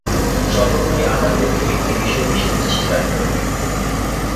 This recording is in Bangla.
সর্বোপরি আমাদিগকে একটি বিষয়ে বিশেষ দৃষ্টি রাখিতে হইবে।